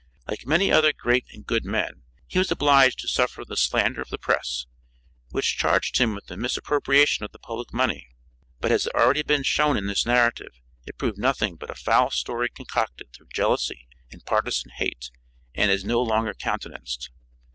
Like many other great and good men, he was obliged to suffer the slander of the press, which charged him with a misappropriation of the public money, but as has already been shown in this narrative, it proved nothing but a foul story concocted through jealousy and partisan hate, and is no longer countenanced.